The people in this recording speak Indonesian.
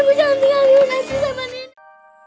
ibu jangan tinggal di rumah ibu sama nina